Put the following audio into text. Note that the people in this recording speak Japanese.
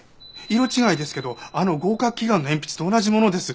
色違いですけどあの合格祈願の鉛筆と同じものです。